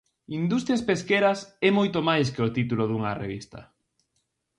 Industrias Pesqueras é moito máis que o título dunha revista.